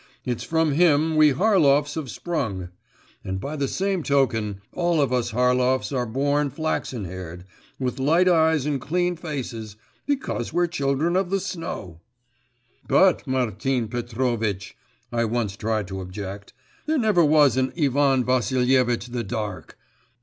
It's from him we Harlovs are sprung!… And by the same token, all of us Harlovs are born flaxen haired, with light eyes and clean faces, because we're children of the snow!' 'But, Martin Petrovitch,' I once tried to object, 'there never was an Ivan Vassilievitch the Dark.